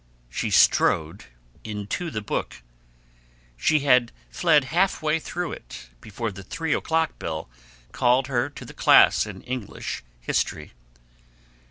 She strode into the book. She had fled half way through it before the three o'clock bell called her to the class in English history.